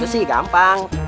itu sih gampang